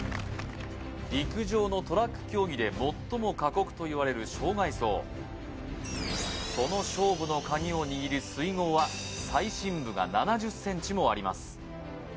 陸上のトラック競技で最も過酷といわれる障害走その勝負の鍵を握る水濠は最深部が７０ｃｍもあります